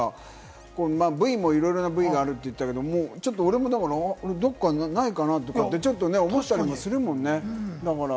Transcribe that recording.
部位もいろいろな部位があるって言ってたけれども、俺もどこかないかな？とかって、ちょっと思ったりもするもんね。